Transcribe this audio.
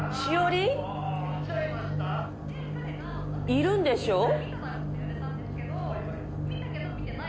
栞？いるんでしょう？